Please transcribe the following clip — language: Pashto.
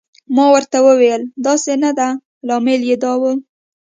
ما ورته وویل: داسې نه ده، لامل یې دا و.